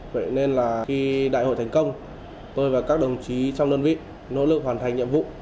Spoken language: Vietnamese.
vậy nên là khi đại hội thành công tôi và các đồng chí trong đơn vị nỗ lực hoàn thành nhiệm vụ